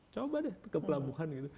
coba deh ke pelabuhan